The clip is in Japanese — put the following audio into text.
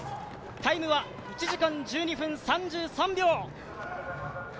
タイムは１時間１２分３３秒。